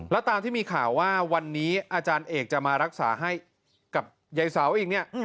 แล้วตามที่มีข่าวว่าวันนี้อาจารย์เอกจะมารักษาให้กับยายเสาอีกเนี่ย